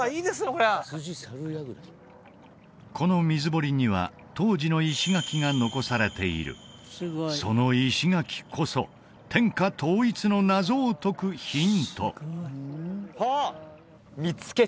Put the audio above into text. こりゃこの水堀には当時の石垣が残されているその石垣こそ天下統一の謎を解くヒントあっ！